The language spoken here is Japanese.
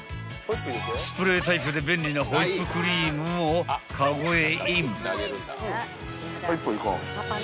［スプレータイプで便利なホイップクリームもカゴへイン］